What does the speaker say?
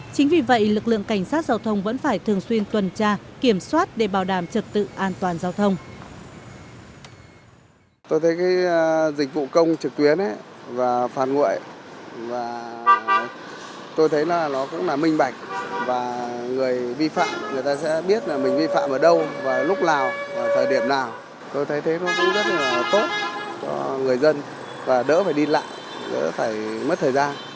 chính vì vậy lực lượng cảnh sát giao thông vẫn phải thường xuyên tuần tra kiểm soát để bảo đảm trực tự an toàn giao thông